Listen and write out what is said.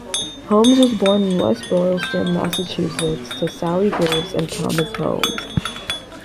Holmes was born in West Boylston, Massachusetts, to Sally Graves and Thomas Holmes.